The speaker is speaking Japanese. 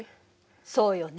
そうよね。